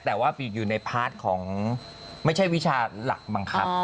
แต่ว่าอยู่ในพาร์ทของไม่ใช่วิชาหลักบังคับ